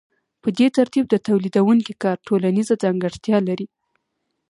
په دې ترتیب د تولیدونکي کار ټولنیزه ځانګړتیا لري